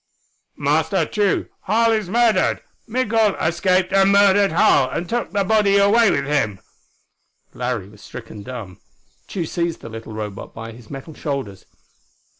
"Master Tugh, Harl is murdered! Migul escaped and murdered Harl, and took the body away with him!" Larry was stricken dumb. Tugh seized the little Robot by his metal shoulders.